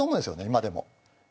今でも。